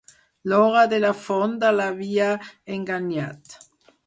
L'hora de la fonda l'havia enganyat.